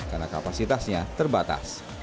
karena kapasitasnya terbatas